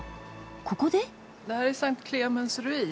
ここで？